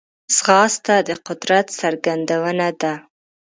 ځغاسته د قدرت څرګندونه ده